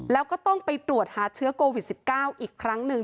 แล้วก็ต้องไปตรวจหาเชื้อโควิด๑๙อีกครั้งหนึ่ง